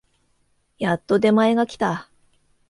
やっと出前が来た